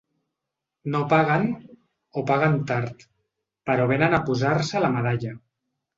No paguen, o paguen tard, però vénen a posar-se la medalla.